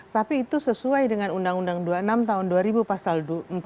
tapi itu sesuai dengan undang undang dua puluh enam tahun dua ribu pasal empat